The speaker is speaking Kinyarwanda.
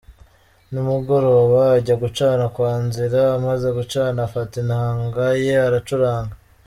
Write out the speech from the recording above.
Nimugoroba ajya gucana kwa Nzira, amaze gucana afata inanga ye aracuranga.